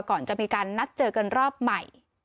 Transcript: ก่อนจะมีการนัดเจอกันรอบใหม่